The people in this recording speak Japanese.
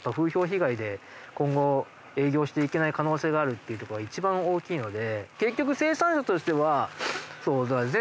っていうとこが一番大きいので。